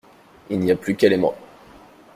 Il n’y a plus qu’elle et moi.